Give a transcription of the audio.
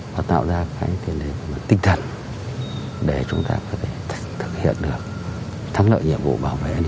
và tạo ra cái tiền để tinh thần để chúng ta có thể thực hiện được thắng lợi nhiệm vụ bảo vệ trật tự